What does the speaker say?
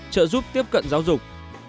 hai trợ giúp tiếp cận giáo dục